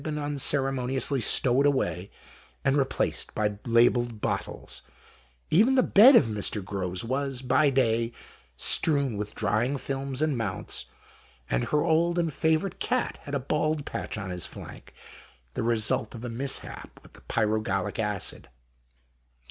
been unceremoniously stowed away and re placed by labelled bottles ; even the bed of Mr, Groves was, by day, strewn with drying films and mounts, and her old and favourite cat had a bald patch on his flank, the result of a mishap with the pyrogallic acid.